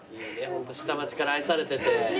ホント下町から愛されてて。